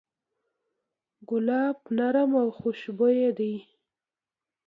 ګلاب نرم او خوشبویه دی.